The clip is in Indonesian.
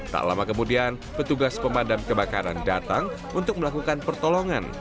tak lama kemudian petugas pemadam kebakaran datang untuk melakukan pertolongan